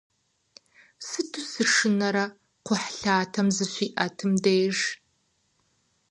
Сыту сышынэрэ кхъухьлъатэм зыщиӏэтым деж!